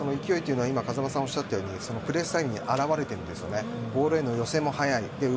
勢いというのは風間さんがおっしゃったようにプレス際に表れているんです。